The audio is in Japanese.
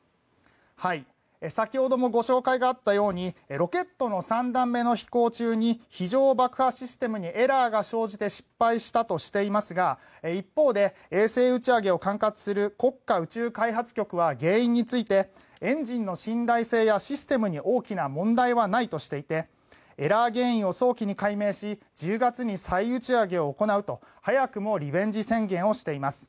先ほどもご紹介があったようにロケットの３段目の飛行中に非常爆破システムにエラーが生じて失敗したとしていますが一方で衛星打ち上げを管轄する国家宇宙開発局は原因についてエンジンの信頼性やシステムに大きな問題はないとしていてエラー原因を早期に解明し１０月に再打ち上げを行うと早くもリベンジ宣言をしています。